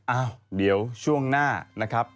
อ้าวเดี๋ยวช่วงหน้านะครับ